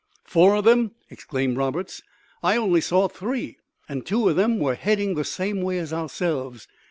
"Four of them?" exclaimed Roberts; "I only saw three; and two of them were heading the same way as ourselves.